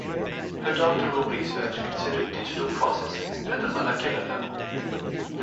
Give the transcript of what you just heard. Her doctoral research considered digital processing at the molecular level.